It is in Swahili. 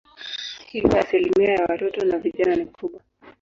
Hivyo asilimia ya watoto na vijana ni kubwa.